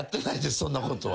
そんなことは。